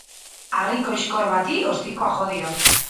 Harri-koxkor bati ostikoa jo diot.